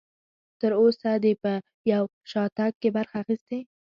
تر اوسه دې په یو شاتګ کې برخه اخیستې؟